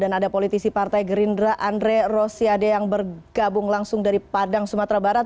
dan ada politisi partai gerindra andre rosiade yang bergabung langsung dari padang sumatera barat